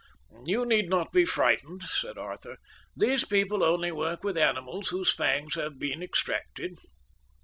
"You need not be frightened," said Arthur. "These people only work with animals whose fangs have been extracted."